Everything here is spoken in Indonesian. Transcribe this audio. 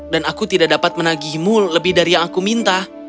dan aku tidak dapat menagihimu lebih dari yang aku minta